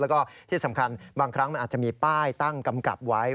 แล้วก็ที่สำคัญบางครั้งมันอาจจะมีป้ายตั้งกำกับไว้